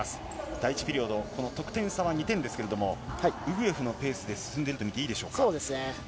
第１ピリオド、この得点差は２点ですけれども、ウグエフのペースで進んでると見ていいでしょうか。